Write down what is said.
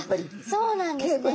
そうなんですね。